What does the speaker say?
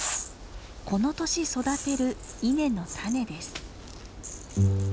この年育てる稲の種です。